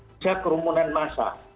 sejak kerumunan masa